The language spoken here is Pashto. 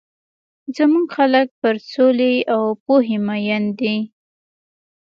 زموږ خلک پر سولي او پوهي مۀين دي.